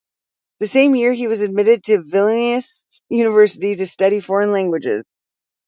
The same year he was admitted to the Vilnius University to study foreign languages.